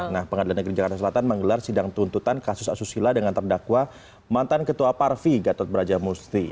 nah pengadilan negeri jakarta selatan menggelar sidang tuntutan kasus asusila dengan terdakwa mantan ketua parvi gatot brajamusti